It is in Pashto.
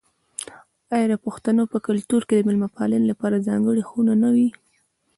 آیا د پښتنو په کلتور کې د میلمه پالنې لپاره ځانګړې خونه نه وي؟